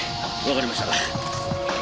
わかりました。